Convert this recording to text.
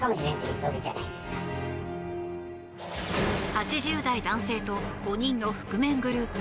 ８０代男性と５人の覆面グループ。